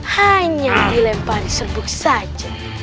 hanya dilempar serbuk saja